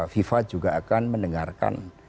viva juga akan mendengarkan